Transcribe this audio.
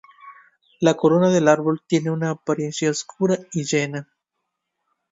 La corona del árbol tiene una apariencia oscura y llena.